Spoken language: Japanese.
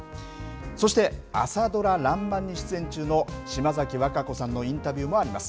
そして朝ドラらんまんに出演中の島崎和歌子さんのインタビューもあります。